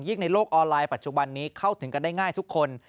ในโลกออนไลน์ปัจจุบันนี้เข้าถึงกันได้ง่ายทุกคน